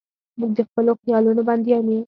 موږ د خپلو خیالونو بندیان یو.